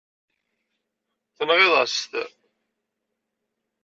Tenɣiḍ-as-t.